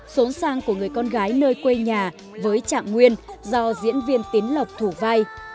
trốn sang của người con gái nơi quê nhà với trạng nguyên do diễn viên tiến lộc thủ vai